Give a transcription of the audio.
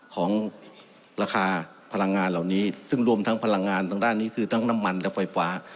ของราคาพลังงานเหล่านี้ซึ่งรวมทั้งพลังงานทางด้านนี้คือทั้งน้ำมันและไฟฟ้า